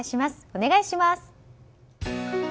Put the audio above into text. お願いします。